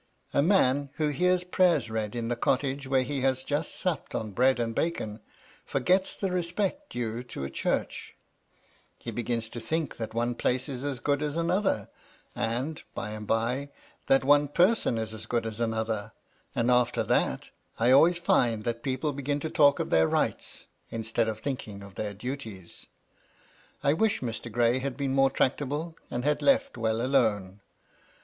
A man who hears prayers read in the cottage where he has just supped on bread and bacon, forgets the respect due to a MY LADY LUDLOW. 223 church : he begins to think that one place is as good as another, and, by and by, that one person is as good as another ; and after that, I always find that people begin to talk of their rights, instead of thinking of their duties. I wish Mr. Gray had been more tractable, and had left well alone.